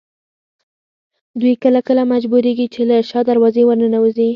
دوی کله کله مجبورېږي چې له شا دروازې ورننوځي.